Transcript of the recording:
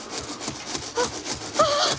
あっああ！